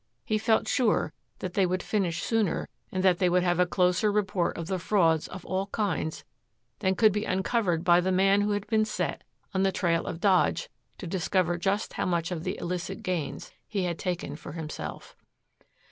He felt sure that they would finish sooner and that they would have a closer report of the frauds of all kinds than could be uncovered by the man who had been set on the trail of Dodge to discover just how much of the illicit gains he had taken for himself.